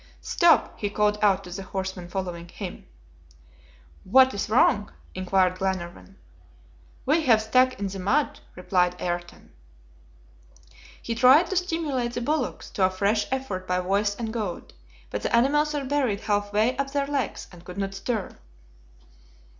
"Stop!" he called out to the horsemen following him. "What is wrong?" inquired Glenarvan. "We have stuck in the mud," replied Ayrton. He tried to stimulate the bullocks to a fresh effort by voice and goad, but the animals were buried half way up their legs, and could not stir.